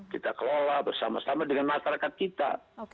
kita kelola bersama sama dengan masyarakat kita